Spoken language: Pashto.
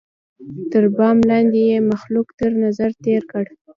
تر بام لاندي یې مخلوق تر نظر تېر کړ